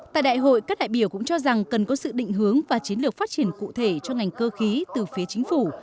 tại đại hội các đại biểu cũng cho rằng cần có sự định hướng và chiến lược phát triển cụ thể cho ngành cơ khí từ phía chính phủ